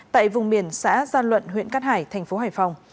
tại vùng biển xã gian luận huyện cát hải thành phố hải phòng